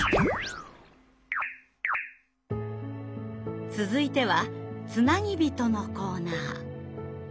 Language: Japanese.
続いては「つなぎびと」のコーナー。